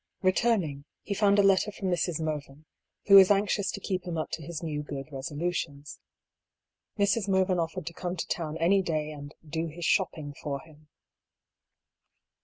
Returning, he found a letter from Mrs. Mervyn, who was anxious to keep him up to his new good resolutions. Mrs. Mervyn offered to come to town any day and " do his shopping for him."